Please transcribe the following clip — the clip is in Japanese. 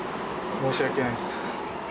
申し訳ないっす。